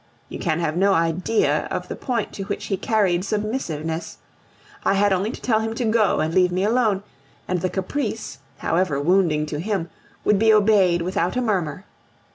You can have no idea of the point to which he carried submissiveness. I had only to tell him to go and leave me alone, and the caprice, however wounding to him, would be obeyed without a murmur.